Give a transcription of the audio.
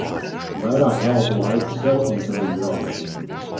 Vairāk veltu laiku sev un saviem draugiem.